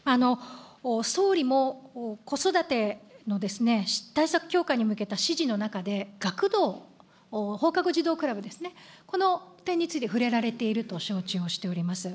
総理も子育ての対策強化に向けた指示の中で、学童、放課後児童クラブですね、この点について触れられていると承知をしております。